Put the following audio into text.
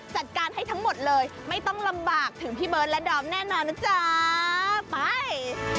จัดการให้ทั้งหมดเลยไม่ต้องลำบากถึงพี่เบิร์ตและดอมแน่นอนนะจ๊ะไป